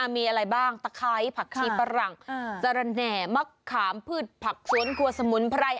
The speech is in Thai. มีอะไรบ้างตะไคร้ผักชีฝรั่งจรแห่นมะขามพืชผักสวนครัวสมุนไพร